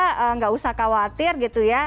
jadi tidak usah khawatir gitu ya